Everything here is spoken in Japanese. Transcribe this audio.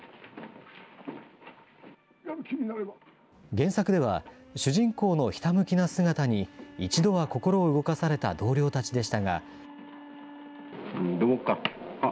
原作では、主人公のひたむきな姿に一度は心を動かされた同僚たちでしたが。